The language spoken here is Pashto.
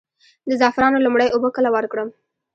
د زعفرانو لومړۍ اوبه کله ورکړم؟